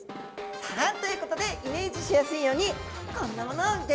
さあということでイメージしやすいようにこんなものをギョ用意いただきました。